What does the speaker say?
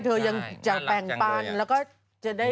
เธอยังจะแบ่งปัน